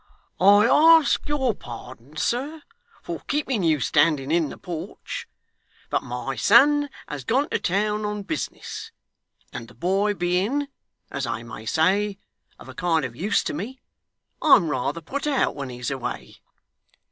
'I ask your pardon, sir, for keeping you standing in the porch; but my son has gone to town on business, and the boy being, as I may say, of a kind of use to me, I'm rather put out when he's away.